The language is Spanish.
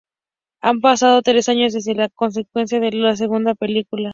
Han pasado tres años desde los acontecimientos de la segunda película.